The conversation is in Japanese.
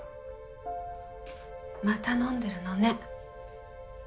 また飲んでるのね。